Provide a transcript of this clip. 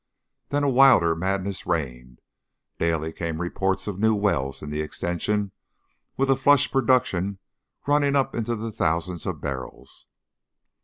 Then a wilder madness reigned. Daily came reports of new wells in the Extension with a flush production running up into the thousands of barrels.